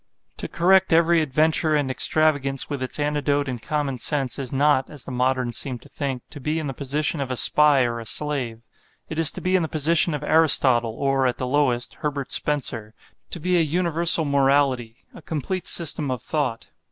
To correct every adventure and extravagance with its antidote in common sense is not (as the moderns seem to think) to be in the position of a spy or a slave. It is to be in the position of Aristotle or (at the lowest) Herbert Spencer, to be a universal morality, a complete system of thought.